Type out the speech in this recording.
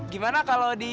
gimana kalau di